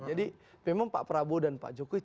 jadi memang pak prabowo dan pak jokowi